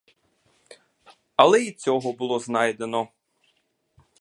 Але й цього було знайдено.